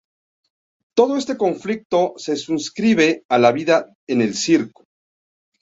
Todo este conflicto se circunscribe a la vida en el circo.